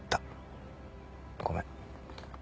ごめん。